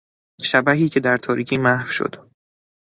شبحی که در تاریکی محو شد